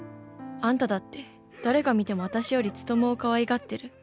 あんただって誰が見てもあたしより努を可愛がってる。